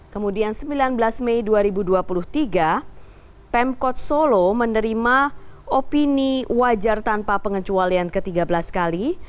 kemudian sembilan belas mei dua ribu dua puluh tiga pemkot solo menerima opini wajar tanpa pengecualian ke tiga belas kali